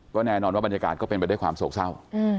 ก็แน่นอนว่าบรรยากาศก็เป็นไปด้วยความโศกเศร้า